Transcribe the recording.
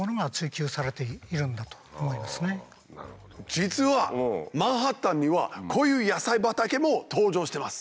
実はマンハッタンにはこういう野菜畑も登場してます。